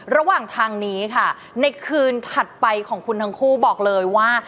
ระหว่างทางนี้ค่ะในคืนถัดไปของคุณทั้งคู่บอกเลยว่า